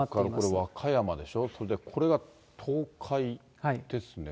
これ和歌山でしょ、それでこれが東海ですね。